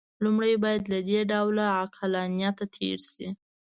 لومړی باید له دې ډول عقلانیته تېر شي.